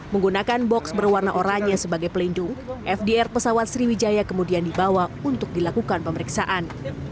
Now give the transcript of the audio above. menggunakan box berwarna oranye sebagai pelindung fdr pesawat sriwijaya kemudian dibawa untuk dilakukan pemeriksaan